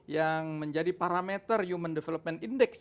yang menjadi parameter human development index